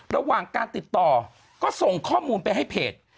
ระหว่างการติดต่อก็ส่งข้อมูลไปให้เพจ